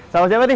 sama siapa nih